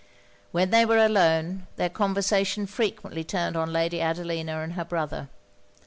When they were alone, their conversation frequently turned on Lady Adelina and her brother.